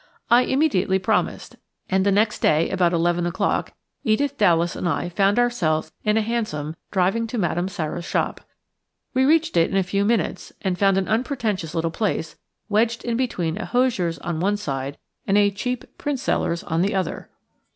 I immediately promised, and the next day, about eleven o'clock, Edith Dallas and I found ourselves in a hansom driving to Madame Sara's shop. We reached it in a few minutes, and found an unpretentious little place wedged in between a hosier's on one side and a cheap print seller's on the other.